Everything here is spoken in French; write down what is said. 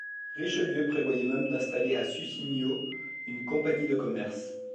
Richelieu prévoyait même d’installer à Suscinio une compagnie de commerce.